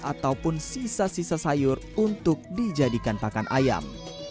ataupun sisa sisa sayur untuk dijadikan pakan ayam